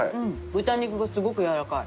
豚肉がすごくやわらかい。